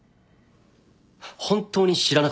本当に知らなかったのか？